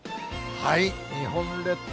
日本列島